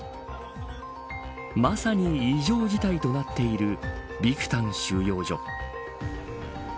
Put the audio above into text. まさに、異常事態となっているビクタン収容所。